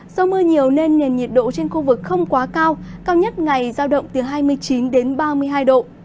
do mưa nhiều nên nền nhiệt độ trên khu vực không quá cao cao nhất ngày giao động từ hai mươi chín đến ba mươi hai độ